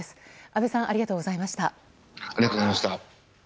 安倍さんありがとうございました。